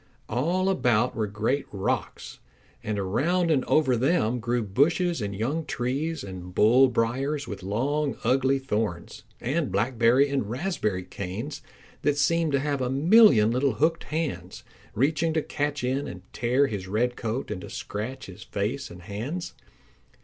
All about were great rocks, and around and over them grew bushes and young trees and bull briars with long ugly thorns, and blackberry and raspberry canes that seemed to have a million little hooked hands, reaching to catch in and tear his red coat and to scratch his face and hands.